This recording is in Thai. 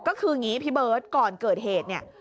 ก็คืออย่างนี้พี่เบิร์ตก่อนเกิดเหตุเนี่ย